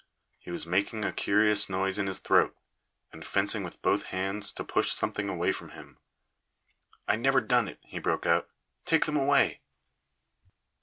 He was making a curious noise in his throat, and fencing with both hands to push something away from him. "I never done it!" he broke out. "Take them away!